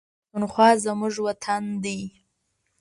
پښتونخوا زموږ وطن دی